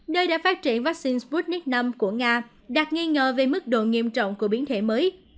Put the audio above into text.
nơi đã phát triển vaccine sputnik v của nga đạt nghi ngờ về mức độ nghiêm trọng của biến thể mới